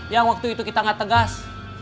yang waktu itu kita gak tegas